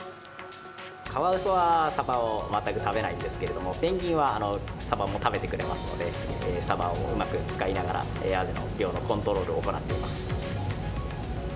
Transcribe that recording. カワウソはサバを全く食べないんですけれども、ペンギンはサバも食べてくれますので、サバをうまく使いながら、アジの量のコントロールを行っております。